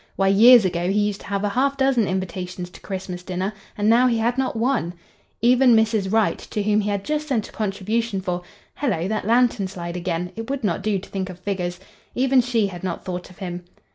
Why, years ago he used to have a half dozen invitations to Christmas dinner, and now he had not one! Even Mrs. Wright, to whom he had just sent a contribution for—Hello! that lantern slide again! It would not do to think of figures.—Even she had not thought of him.